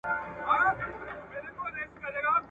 افغانان د دښمن په نسبت تش لاس ول.